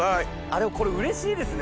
でもこれうれしいですね。